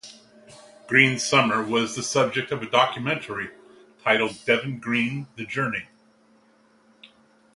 Green's summer was the subject of a documentary titled Devin Green: The Journey.